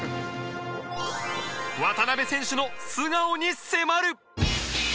渡邊選手の素顔に迫る！